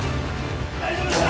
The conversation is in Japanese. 大丈夫ですか！？